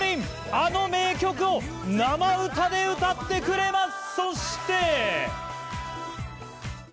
あの名曲を生歌で歌ってくれます！